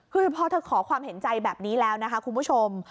คือพอเธอขอความเห็นใจแบบนี้แล้วนะคะคุณผู้ชม